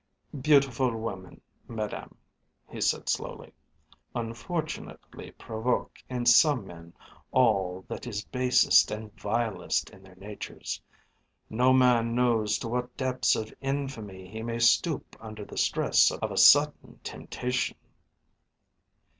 "Beautiful women, Madame," he said slowly, "unfortunately provoke in some men all that is basest and vilest in their natures. No man knows to what depths of infamy he may stoop under the stress of a sudden temptation."